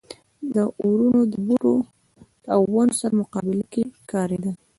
دا اورونه له بوټو او ونو سره مقابله کې کارېدل.